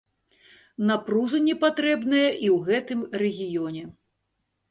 Напружанне патрэбнае і ў гэтым рэгіёне.